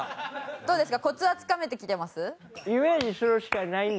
どうですか？